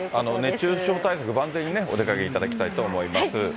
熱中症対策、万全にね、お出かけいただきたいと思います。